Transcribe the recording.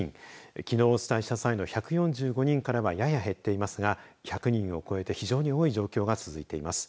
きのうお伝えしています１４５人からはやや減っていますが１００人を超えて非常に多い状況が続いています。